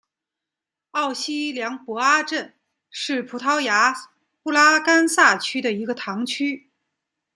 奥西良博阿镇是葡萄牙布拉干萨区的一个堂区。